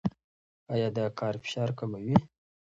ایا دا کار فشار کموي؟